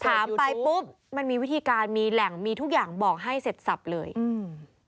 ถามไปปุ๊บมันมีวิธีการมีแหล่งมีทุกอย่างบอกให้เสร็จสับเลยอืม